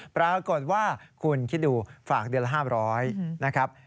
ปรากฏว่าคุณคิดดูฝากเดือนละ๕๐๐นะครับ